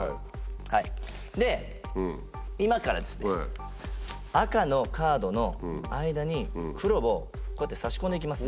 はいで今から赤のカードの間に黒をこうやって差し込んで行きます。